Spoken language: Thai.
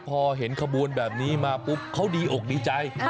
พอเห็นขบวนแบบนี้มาปุ๊บเขาดีอกดีใจ